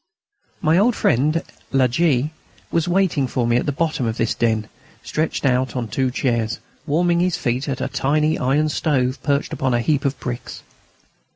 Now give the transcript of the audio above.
My old friend La G. was waiting for me at the bottom of this den, stretched on two chairs, warming his feet at a tiny iron stove perched upon a heap of bricks.